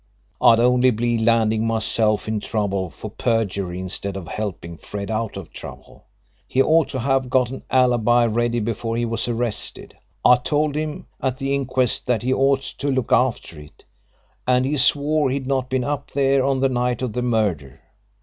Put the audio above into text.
I'd only be landing myself in trouble for perjury instead of helping Fred out of trouble. He ought to have got an alibi ready before he was arrested. I told him at the inquest that he ought to look after it, and he swore he'd not been up there on the night of the murder.